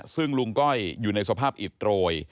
ซึ่งลุงก้อยอยู่ในสภาพอิดโรย